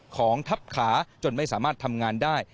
ของทับขาจนไม่สามารถทำงานได้